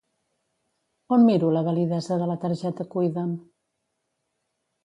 On miro la validesa de la targeta Cuida'm?